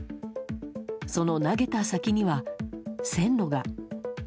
その投げた先には線路が。